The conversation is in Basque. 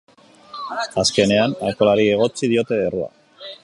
Azkenean, alkoholari egotzi diote errua.